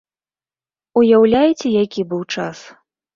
Уяўляеце, які быў час!